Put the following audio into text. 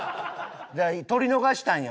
取り逃したんよ